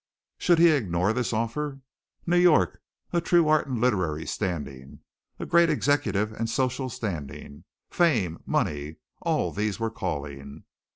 Should he ignore this offer? New York, a true art and literary standing; a great executive and social standing; fame; money all these were calling.